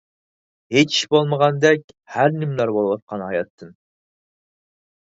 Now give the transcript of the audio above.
ھېچ ئىش بولمىغاندەك ھەر نىمىلەر بولىۋاتقان ھاياتتىن.